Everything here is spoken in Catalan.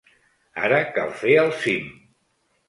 Ara cal fer el cim.